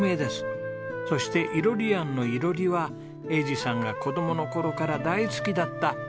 そしていろり庵の「いろり」は栄治さんが子供の頃から大好きだった